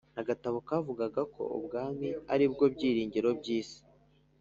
agatabo kavugaga ko Ubwami ari bwo byiringiro by isi